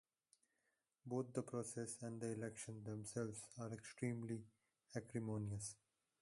Both the process and the elections themselves were extremely acrimonious.